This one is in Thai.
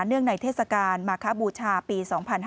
งในเทศกาลมาคบูชาปี๒๕๕๙